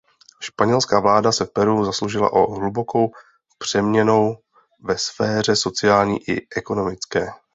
Španělská vláda se v Peru zasloužila o hlubokou přeměnou ve sféře sociální i ekonomické.